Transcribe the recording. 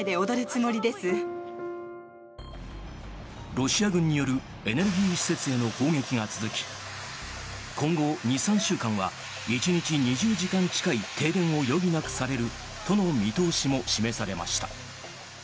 ロシア軍によるエネルギー施設への攻撃が続き今後２３週間は１日２０時間近い停電を余儀なくされるとの見通しも示されました。